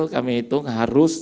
kami hitung harus